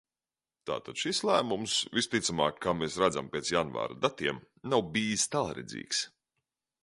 Tātad šis lēmums, visticamāk, kā mēs redzam pēc janvāra datiem, nav bijis tālredzīgs.